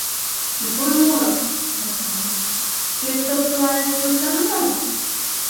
— Ипон муро, — Вачай манеш, — Пӧтыр, тыланет келша мо?